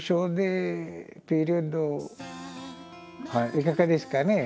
いかがですかね？